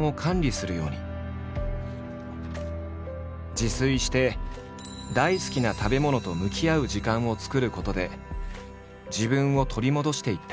自炊して大好きな食べ物と向き合う時間を作ることで自分を取り戻していった。